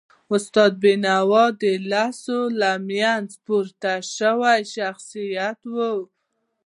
استاد بینوا د ولس له منځه راپورته سوی شخصیت و.